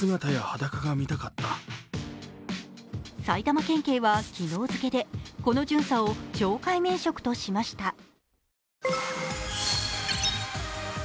埼玉県警は昨日付でこの巡査長を懲戒免職としました。